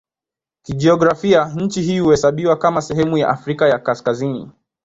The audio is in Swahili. Kijiografia nchi hii huhesabiwa kama sehemu ya Afrika ya Kaskazini.